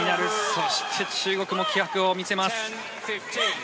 そして、中国も気迫を見せます。